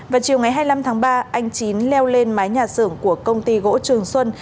vào chiều ngày hai mươi năm tháng ba anh chín leo lên mái nhà xưởng của công ty gỗ trường xuân